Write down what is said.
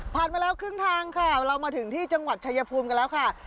ผ่านมาแล้วครึ่งทางค่ะเรามาถึงที่จังหวัดชายพูมค่ะ